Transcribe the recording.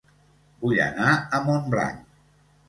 Vull anar a Montblanc